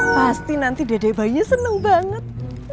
pasti nanti dede bayinya seneng banget